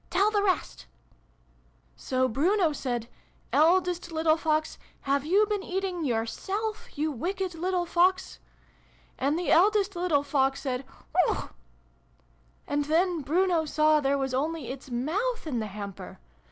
Tell the rest !"" So Bruno said ' Eldest little Fox, have you been eating yoiirself, you wicked little Fox ?' And the eldest little Fox said ' Whihuauch !' And then Bruno saw there was only its moutk in the hamper